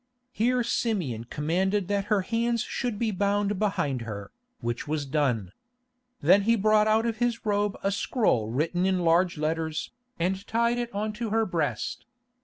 Here Simeon commanded that her hands should be bound behind her, which was done. Then he brought out of his robe a scroll written in large letters, and tied it on to her breast.